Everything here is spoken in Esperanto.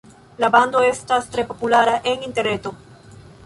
La bando estas tre populara en interreto.